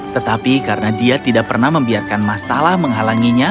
tetapi karena dia tidak pernah membiarkan masalah menghalanginya